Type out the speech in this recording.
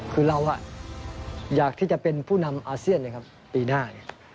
คือเราอยากที่จะเป็นผู้นำอาเซียนเลยครับปีหน้า